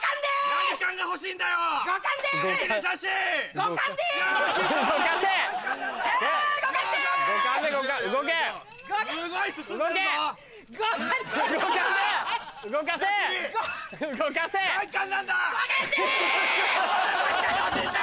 何冠が欲しいんだ？